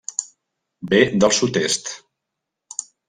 Ve del sud-est.